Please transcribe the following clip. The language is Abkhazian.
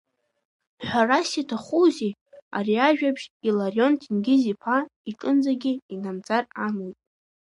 Ҳәарас иаҭахузеи, ари ажәабжь Иларион Ҭенгиз-иԥа иҿынӡагьы инамӡар амуит.